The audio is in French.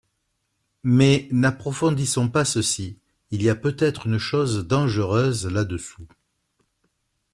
Mais n’approfondissons pas ceci ; il y a peut-être une chose dangereuse là-dessous.